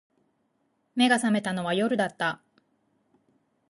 眼が覚めたのは夜だった